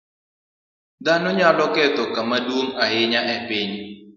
Dhano nyalo ketho kama duong' ahinya e piny.